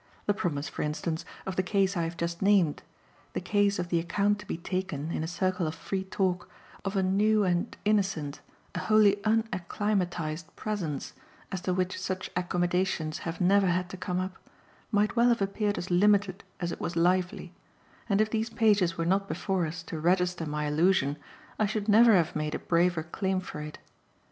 The promise, for instance, of the case I have just named, the case of the account to be taken, in a circle of free talk, of a new and innocent, a wholly unacclimatised presence, as to which such accommodations have never had to come up, might well have appeared as limited as it was lively; and if these pages were not before us to register my illusion I should never have made a braver claim for it.